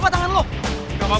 kejar duh kejar